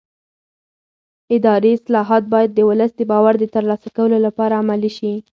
اداري اصلاحات باید د ولس د باور د ترلاسه کولو لپاره عملي شي